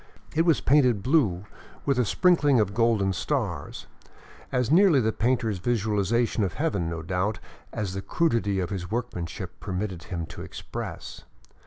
It was painted blue, with a sprinkling of golden stars, as nearly the painter's vizualization of heaven, no doubt, as the crudity of his workmanship permitted him to express.